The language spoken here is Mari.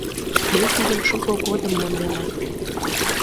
Ме тидым шуко годым мондена.